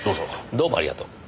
どうもありがとう。